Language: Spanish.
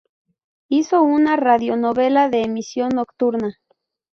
Hizo una radionovela de emisión nocturna.